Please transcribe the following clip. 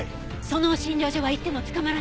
その診療所は行っても捕まらない。